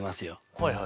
はいはい。